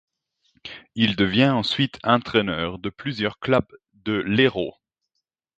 Il devient ensuite entraîneur de plusieurs clubs de l'Hérault.